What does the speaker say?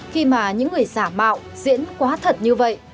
khi mà những người giả mạo diễn quá thật như vậy